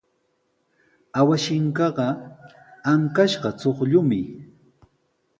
Awashinkaqa ankashqa chuqllumi.